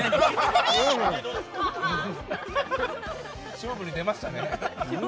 勝負に出ましたね。